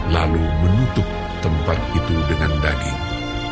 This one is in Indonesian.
lalu menutup tempat itu dengan daging